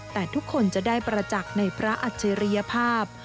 แต่ทุกคนจะได้ประจักษ์ในพระอัจฉริยภาพ